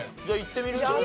じゃあいってみる？